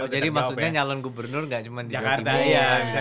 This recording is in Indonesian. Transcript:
jadi maksudnya nyalon gubernur gak cuma di jawa timur